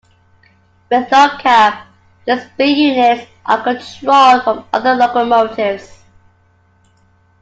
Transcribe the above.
With no cab, these B-units are controlled from other locomotives.